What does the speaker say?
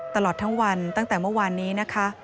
ตลอดทั้งวันตั้งแต่เมื่อวานนี้นะคะ